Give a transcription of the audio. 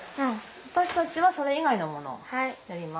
私たちはそれ以外のものをやります。